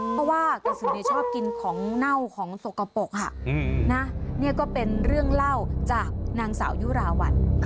เพราะว่ากระสือชอบกินของเน่าของสกปรกนี่ก็เป็นเรื่องเล่าจากนางสาวยุราวัล